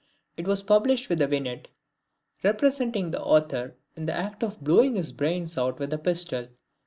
It was published with a vignette, representing the author in the act of blowing his brains out with a pistol.